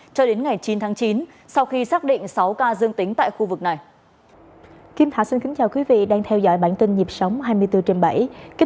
cho đến ngày chín tháng chín sau khi xác định sáu ca dương tính tại khu vực này